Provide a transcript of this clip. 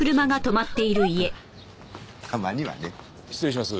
たまにはね。失礼します。